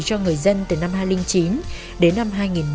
cho người dân từ năm hai nghìn chín đến năm hai nghìn một mươi